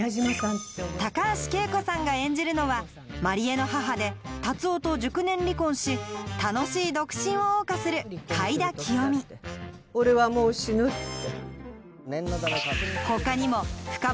高橋惠子さんが演じるのは万里江の母で達男と熟年離婚し楽しい独身を謳歌する貝田清美「俺はもう死ぬ」って。